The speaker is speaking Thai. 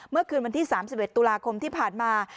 เมื่อคืนวันที่๓๑ตุลาคมที่ผ่านมา